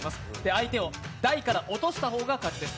相手を台から落とした方が勝ちです。